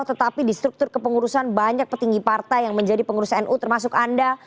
tetapi di struktur kepengurusan banyak petinggi partai yang menjadi pengurus nu termasuk anda